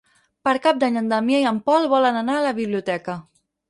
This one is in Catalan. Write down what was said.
Per Cap d'Any en Damià i en Pol volen anar a la biblioteca.